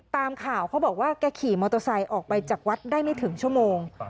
ตามข่าวเขาบอกว่าแกขี่มอเตอร์ไซค์ออกไปจากวัดได้ไม่ถึงชั่วโมง